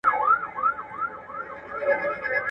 د پرې کولو هڅه وکړي